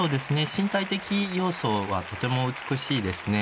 身体的要素はとても美しいですね。